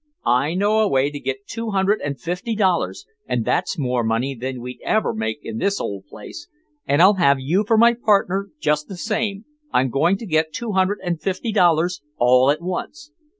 "I know a way to get two hundred and fifty dollars and that's more money than we'd ever make in this old place. And I'll have you for my partner just the same. I'm going to get two hundred and fifty dollars all at once."